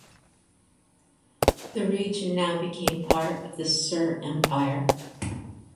The region now became part of the Sur Empire.